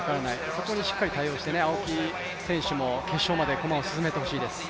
そこにしっかり対応して、青木選手も決勝まで駒を進めてほしいです。